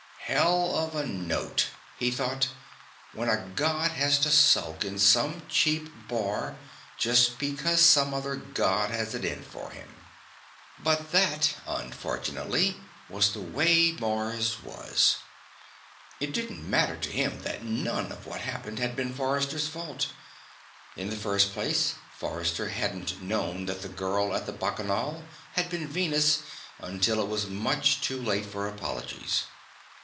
Hell of a note, he thought, when a God has to skulk in some cheap bar just because some other God has it in for him. But that, unfortunately, was the way Mars was. It didn't matter to him that none of what happened had been Forrester's fault. In the first place, Forrester hadn't known that the girl at the Bacchanal had been Venus until it was much too late for apologies.